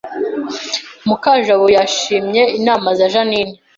Mukajabo yashimye inama za Jeaninne